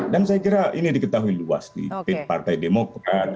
dan saya kira ini diketahui luas di partai demokrat